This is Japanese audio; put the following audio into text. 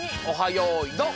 よいどん」！